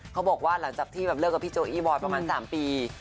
เขาบอกว่าหลังจากที่แบบเลิกกับพี่โจอี้บอยประมาณ๓ปี